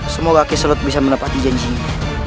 semoga keselut bisa menepati janjinya